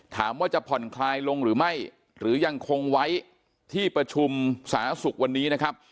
ถามว่าจะผ่อนคลายลงหรือไม่หรือยังคงไว้ที่ประชุมสาธารณสุขวันนี้นะครับ